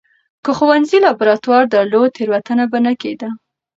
که ښوونځي لابراتوار درلود، تېروتنه به نه کېده.